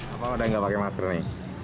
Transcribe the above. apa ada yang nggak pakai masker ini